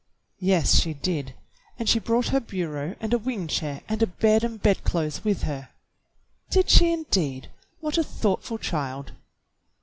"Yes, she did, and she brought her bureau and a wing chair and a bed and bedclothes with her." "Did she, indeed.? What a thoughtful child!"